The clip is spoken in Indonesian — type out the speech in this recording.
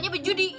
jangan lupa bu